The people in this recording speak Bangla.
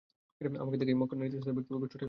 আমাকে দেখেই মক্কার নেতৃস্থানীয় ব্যক্তিবর্গ ছুটে এল।